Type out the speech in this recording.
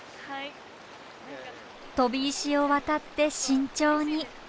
飛び石を渡って慎重に。